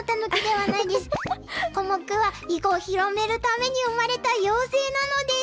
コモクは囲碁を広めるために生まれた妖精なのです。